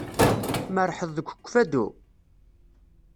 Tmerrḥeḍ deg Ukfadu?